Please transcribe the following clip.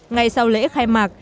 ngay sau lễ khai mạc